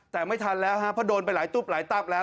แต่ไม่ทันแล้วฮะเพราะโดนไปหลายตุ๊บหลายตับแล้ว